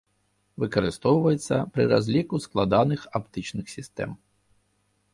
Выкарыстоўваецца пры разліку складаных аптычных сістэм.